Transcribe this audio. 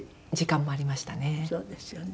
そうですよね。